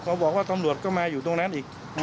บอกว่าตำรวจก็มาอยู่ตรงนั้นอีก